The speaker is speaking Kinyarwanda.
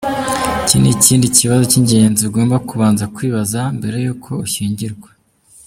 Iki ni ikindi kibazo cy’ingenzi ugomba kubanza kwibaza mbere yuko ushyingirwa.